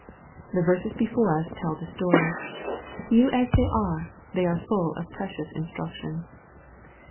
The verses before us tell the story. Few as they are, they are full of precious instruction.